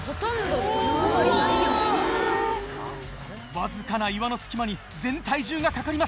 わずかな岩の隙間に全体重がかかります。